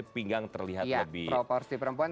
pinggang terlihat lebih porsi perempuan